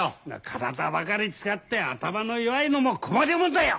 体ばかり使って頭の弱いのも困りもんだよ！